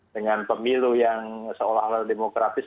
dengan pemilu yang seolah olah demokratis